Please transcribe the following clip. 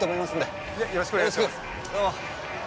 よろしくお願いします。